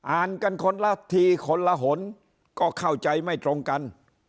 อ่านกันคนละทีคนละหนก็เข้าใจไม่ตรงกัน